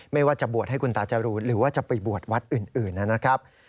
ไม่ว่าจะบวชให้คุณตาจรูนหรือว่าจะไปบวชวัดอื่นนะครับ